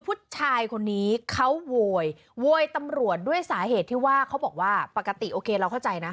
ผู้ชายคนนี้เขาโวยโวยตำรวจด้วยสาเหตุที่ว่าเขาบอกว่าปกติโอเคเราเข้าใจนะ